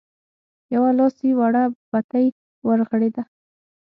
يوه لاسي وړه بتۍ ورغړېده.